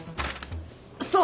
そう。